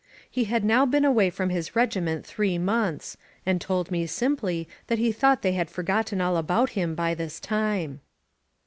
He had now been away from his regiment three months, and told me simply that he thought they had forgotten all about him by this time.